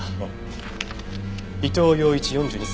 伊藤洋市４２歳。